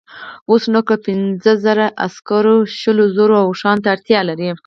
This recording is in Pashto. اوس نو که پنځه زره عسکر شلو زرو اوښانو ته اړتیا لري.